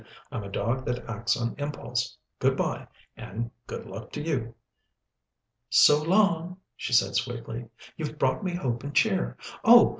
"I'm a dog that acts on impulse. Good bye, and good luck to you." "So long," she said sweetly. "You've brought me hope and cheer. Oh!